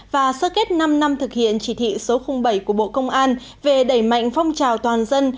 và sơ kết năm năm thực hiện chỉ thị số bảy của bộ công an về đẩy mạnh phong trào toàn dân